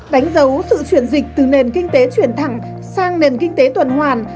đánh dấu sự chuyển dịch từ nền kinh tế chuyển thẳng sang nền kinh tế tuần hoàn